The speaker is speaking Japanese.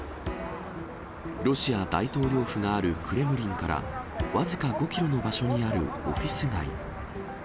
ロシア大統領府があるクレムリンからわずか５キロの場所にあるオフィス街。